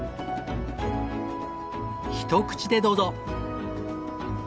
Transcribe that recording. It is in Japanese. ひと口でどうぞ！